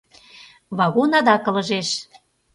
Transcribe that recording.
Вагон адак ылыжеш.